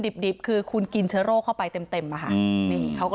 ดิบคือคุณกินเชื้อโรคเข้าไปเต็มอะค่ะนี่เขาก็